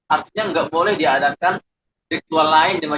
artinya nggak boleh diadakan ritual lain